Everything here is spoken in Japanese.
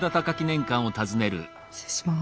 失礼します。